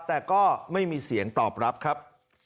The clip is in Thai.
แต่ก็ไม่มีเสียงตอบรับครับ